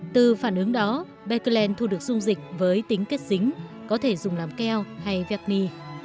từ phản ứng đó bạc kỳ lên thu được dung dịch với tính kết dính có thể dùng làm keo hay vẹt nì